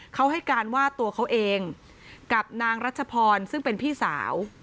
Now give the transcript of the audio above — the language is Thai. เขาให้การว่าตัวเขาเองกับนางรัชพรซึ่งเป็นพี่สาว